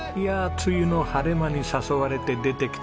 梅雨の晴れ間に誘われて出てきてくれたんですね。